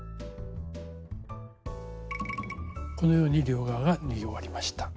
このように両側が縫い終わりました。